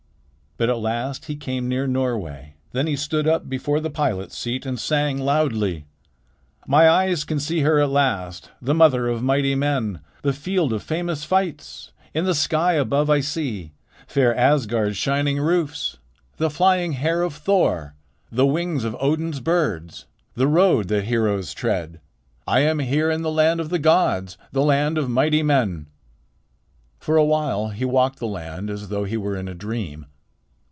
But at last he came near Norway. Then he stood up before the pilot's seat and sang loudly: "My eyes can see her at last, The mother of mighty men, The field of famous fights. In the sky above I see Fair Asgard's shining roofs, The flying hair of Thor, The wings of Odin's birds, The road that heroes tread. I am here in the land of the gods, The land of mighty men." For a while he walked the land as though he were in a dream.